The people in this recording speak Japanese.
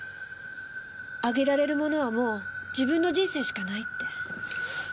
あげられるものはもう自分の人生しかないって。